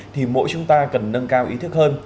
thì mỗi chúng ta cần nâng cao ý thức hơn